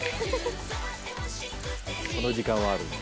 この時間はあるんだ。））